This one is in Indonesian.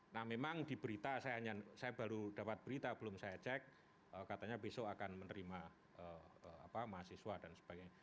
nah memang di berita saya baru dapat berita belum saya cek katanya besok akan menerima mahasiswa dan sebagainya